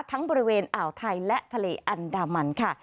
ทั้งบริเวณอ่าวไทยและทะเลอันดามันค่ะ